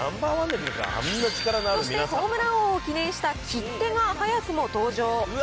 そして、ホームラン王を記念した切手が早くも登場。